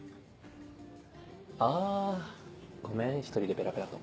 あごめん１人でベラベラと。